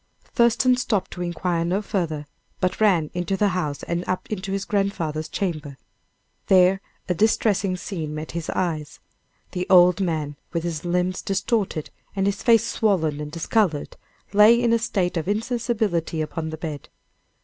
Thurston stopped to inquire no farther, but ran into the house and up into his grandfather's chamber. There a distressing scene met his eyes. The old man, with his limbs distorted, and his face swollen and discolored, lay in a state of insensibility upon the bed.